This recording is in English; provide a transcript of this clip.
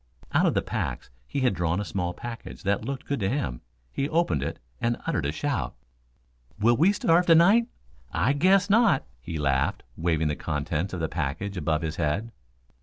Out of the packs he had drawn a small package that looked good to him. He opened it and uttered a shout. "Will we starve to night? I guess not," he laughed, waving the contents of the package above his head.